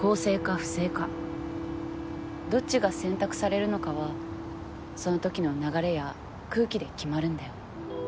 不正かどっちが選択されるのかはそのときの流れや空気で決まるんだよ。